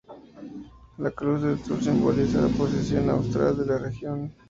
La Cruz del Sur simboliza la posición austral de la región.